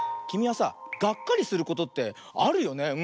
きみはさがっかりすることってあるよね？